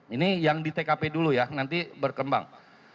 ini yang di tkp dulu ya nanti berkembang